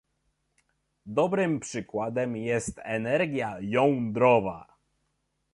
Dobrym przykładem jest energia jądrowa